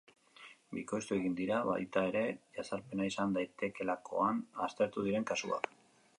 Bikoiztu egin dira, baita ere, jazarpena izan daitekeelakoan aztertu diren kasuak.